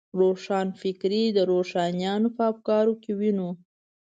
روښانفکري د روښانیانو په افکارو کې وینو.